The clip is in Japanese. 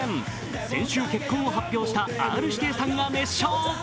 先週、結婚を発表したＲ−指定さんが熱唱。